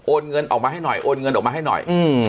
เงินออกมาให้หน่อยโอนเงินออกมาให้หน่อย